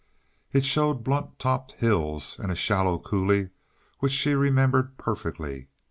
It showed blunt topped hills and a shallow coulee which she remembered perfectly.